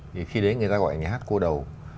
thì khi đấy người ta gọi nhà hát cô đầu